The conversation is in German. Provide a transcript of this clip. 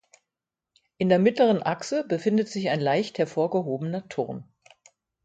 In der mittleren Achse befindet sich ein leicht hervorgehobener Turm.